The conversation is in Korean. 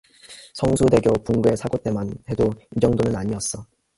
성수대교 붕괴 사고때만 해도 이 정도는 아니었어.